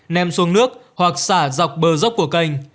nem xuống nước hoặc xả dọc bờ dốc của canh